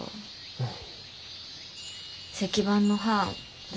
うん。